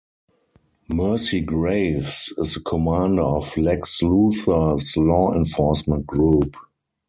Mercy Graves is the commander of Lex Luthor's law-enforcement group.